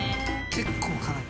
結構辛い。